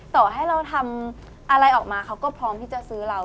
ต่อให้เราทำอะไรออกมาเขาก็พร้อมที่จะซื้อเรา